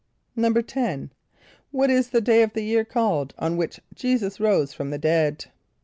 "= =10.= What is the day of the year called on which J[=e]´[s+]us rose from the dead?